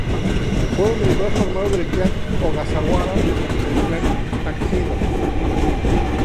Fueron el brazo armado del clan Ogasawara y del clan Takeda.